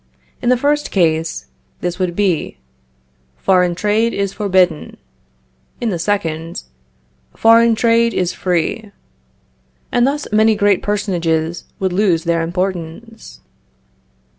In the first case this would be: foreign trade is forbidden; in the second: foreign trade is free; and thus, many great personages would lose their importance.